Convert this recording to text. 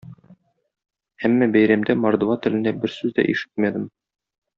Әмма бәйрәмдә мордва телендә бер сүз дә ишетмәдем.